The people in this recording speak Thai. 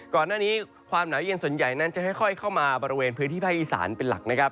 ก่อนหน้านี้ความหนาวเย็นส่วนใหญ่นั้นจะค่อยเข้ามาบริเวณพื้นที่ภาคอีสานเป็นหลักนะครับ